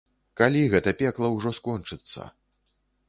Калі гэта пекла ўжо скончыцца?